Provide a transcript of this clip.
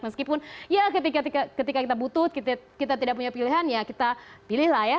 meskipun ya ketika kita butuh kita tidak punya pilihan ya kita pilih lah ya